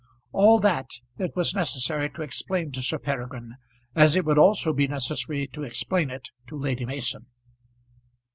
All that it was necessary to explain to Sir Peregrine, as it would also be necessary to explain it to Lady Mason.